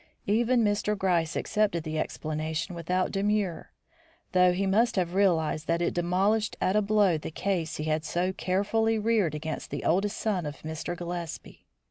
Even Mr. Gryce accepted the explanation without demur, though he must have realised that it demolished at a blow the case he had so carefully reared against the oldest son of Mr. Gillespie.